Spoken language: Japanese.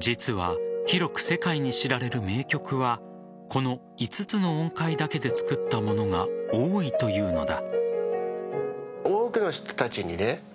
実は広く世界に知られる名曲はこの５つの音階だけで作ったものが多いというのだ。